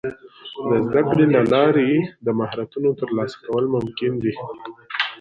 د زده کړې له لارې د مهارتونو ترلاسه کول ممکن دي.